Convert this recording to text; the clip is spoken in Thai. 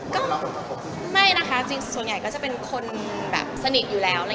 ก็ไม่นะคะจริงส่วนใหญ่ก็จะเป็นคนแบบสนิทอยู่แล้ว